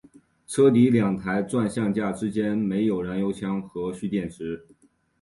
车底两台转向架之间设有燃油箱和蓄电池箱。